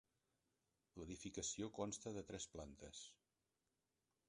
L'edificació consta de tres plantes.